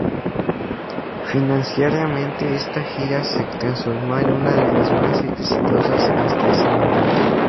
Financieramente, esta gira se transformó en una de las más exitosas hasta ese momento.